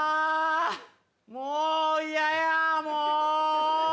もう嫌やもう。